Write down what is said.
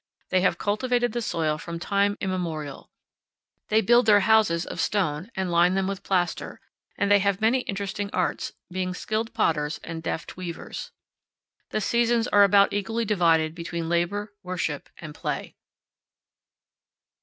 They have cultivated the soil from time immemorial. They build their houses of stone and line them with plaster; and they have many interesting arts, being skilled potters and deft weavers. The seasons are about equally divided between labor, worship, and play.